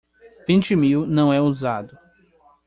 Vinte mil não é usado